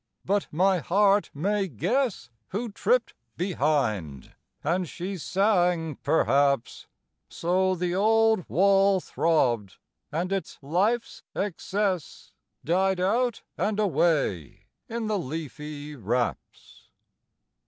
But my heart may guess Who tripped behind; and she sang, perhaps: So the old wall throbbed, and its life's excess Died out and away in the leafy wraps.